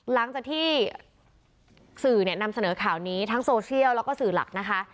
หลังจากที่สื่อเนี่ยนำเสนอข่าวนี้ทั้งโซเชียลแล้วก็สื่อหลักนะคะ